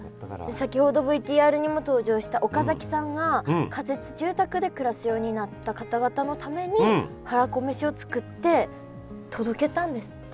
先ほどＶＴＲにも登場した岡崎さんが仮設住宅で暮らすようになった方々のためにはらこめしを作って届けたんですって。